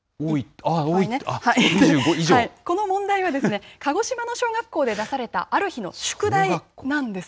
この問題は、鹿児島の小学校で出された、ある日の宿題なんです。